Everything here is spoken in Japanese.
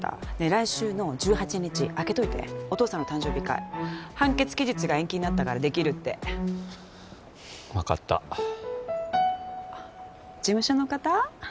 来週の１８日空けといてお父さんの誕生日会判決期日が延期になったからできるって分かった事務所の方？